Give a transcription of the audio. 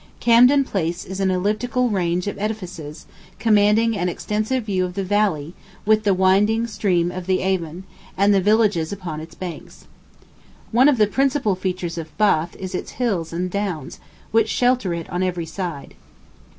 Camden Place is an elliptical range of edifices, commanding an extensive view of the valley, with the winding stream of the Avon, and the villages upon its banks. One of the principal features of Bath is its hills and downs, which shelter it on every side.